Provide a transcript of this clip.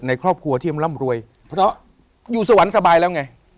ครอบครัวที่มันร่ำรวยเพราะอยู่สวรรค์สบายแล้วไง